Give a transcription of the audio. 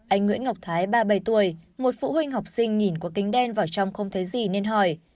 anh nguyễn ngọc thái ba mươi bảy tuổi một phụ huynh học sinh nhìn có kính đen vào trong không thấy gì nên hỏi